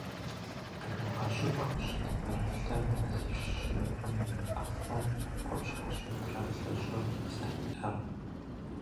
Къыхэгъэщыпхъэщ ныбэрылъыр мазищ щрикъум ирихьэлӏэу къупщхьэ щитӏрэ блыщӏыр зэриӏэр.